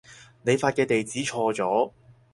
你發嘅地址錯咗